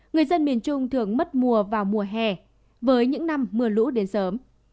người dân miền trung thường mất mùa vào mùa hè với những năm mưa lũ đến sớm